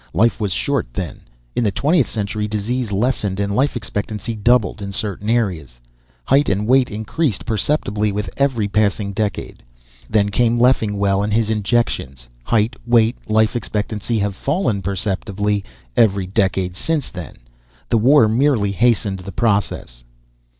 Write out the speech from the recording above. Life was short then. In the twentieth century disease lessened and life expectancy doubled, in certain areas. Height and weight increased perceptibly with every passing decade. Then came Leffingwell and his injections. Height, weight, life expectancy have fallen perceptibly every decade since then. The war merely hastened the process."